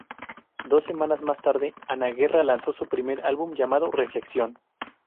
Dos semanas más tarde, Ana Guerra lanzó su primer álbum llamado "Reflexión".